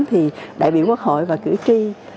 thì đại biểu quốc hội và cử tri